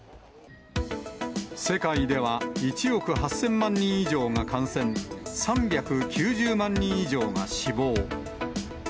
世界では、１億８０００万人以上が感染、３９０万人以上が死亡。